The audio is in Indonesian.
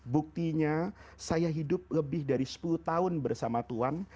buktinya saya hidup lebih dari sepuluh tahun bersama tuhan